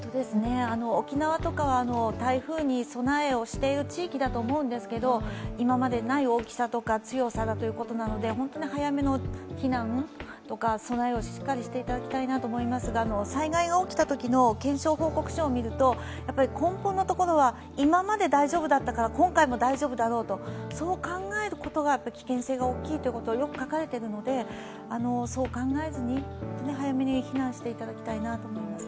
沖縄とかは台風に備えをしている地域だと思うんですけど今までにない大きさとか強さだということなので本当に早めの避難とか備えをしっかりしていただきたいなと思いますが災害が起きたときの検証報告書を見ると根本のところは今まで大丈夫だったから今回も大丈夫だろうとそう考えることが危険性が大きいということがよく書かれているのでそう考えずに、早めに避難していただきたいと思います。